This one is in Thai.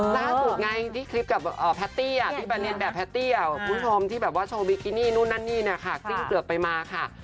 ล่าสุดไงที่คลิปกับแพทตี้อ่ะที่แบรนด์แบบแพทตี้อ่ะคุณผู้ชมที่แบบว่าโชว์บิกินี่นู่นนั่นนี่เนี่ยค่ะที่เกือบไปมาค่ะ